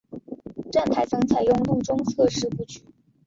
站台层采用路中侧式布局。